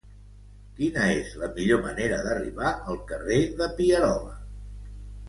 Quina és la millor manera d'arribar al carrer de Pierola?